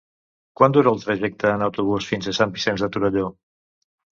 Quant dura el trajecte en autobús fins a Sant Vicenç de Torelló?